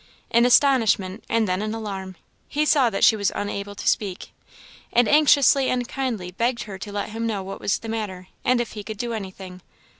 In astonishment, and then in alarm, he saw that she was unable to speak, and anxiously and kindly begged her to let him know what was the matter, and if he could do anything.